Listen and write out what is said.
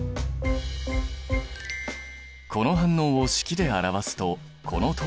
この反応を式で表すとこのとおり。